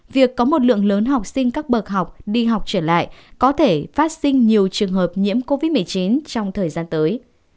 việc có một lượng lớn học sinh các bậc học đi học trở lại có thể phát sinh nhiều trường hợp nhiễm covid một mươi chín trong thời gian tới